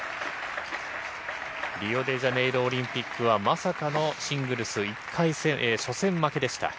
リオデジャネイロオリンピックは、まさかの初戦負けでした。